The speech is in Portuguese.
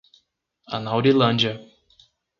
Anaurilândia